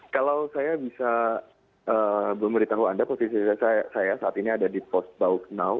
kalau saya bisa memberitahu anda posisi saya saat ini ada di pos bauk nau